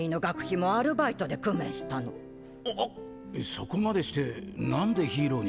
そこまでしてなんでヒーローに。